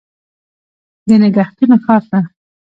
د نګهتونو ښار ته